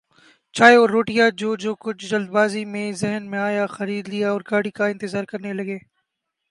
چائے اور روٹیاں جو جو کچھ جلد بازی میں ذہن میں آیا خرید لیااور گاڑی کا انتظار کرنے لگے ۔